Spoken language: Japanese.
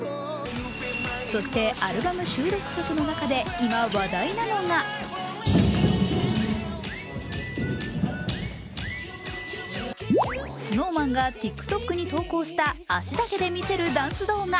そして、アルバム収録曲の中で今、話題なのがＳｎｏｗＭａｎがＴｉｋＴｏｋに投稿した足だけでみせるダンス動画。